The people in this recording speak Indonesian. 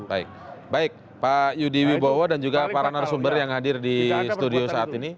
baik baik pak yudi wibowo dan juga para narasumber yang hadir di studio saat ini